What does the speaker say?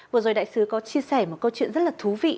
vừa rồi đại sứ có chia sẻ một câu chuyện rất là thú vị